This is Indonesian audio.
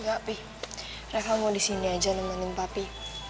enggak pih reva mau disini aja nemenin papi